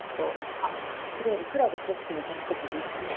あっそれよりＣｌｕｂ春月のキャッチコピーよろしくね。